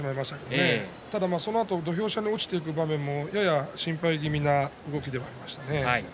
そのあと土俵下に落ちていくのも心配な動きではありましたね。